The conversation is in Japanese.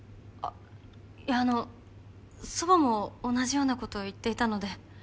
いやあの祖母も同じようなことを言っていたので。